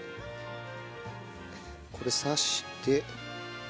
これ刺して。